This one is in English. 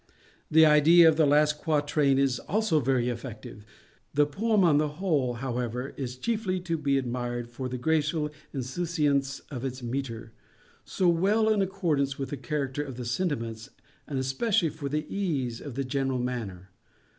The idea of the last quatrain is also very effective. The poem on the whole, however, is chiefly to be admired for the graceful _insouciance _of its metre, so well in accordance with the character of the sentiments, and especially for the _ease _of the general manner.